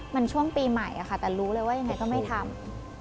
มันช่วงปีใหม่ค่ะแต่รู้เลยว่ายังไงก็ไม่ทำ